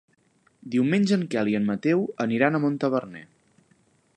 Diumenge en Quel i en Mateu aniran a Montaverner.